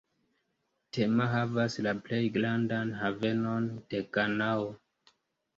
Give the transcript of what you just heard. Tema havas la plej grandan havenon de Ganao.